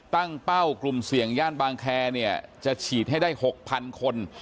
เป้ากลุ่มเสี่ยงย่านบางแคร์เนี่ยจะฉีดให้ได้๖๐๐คน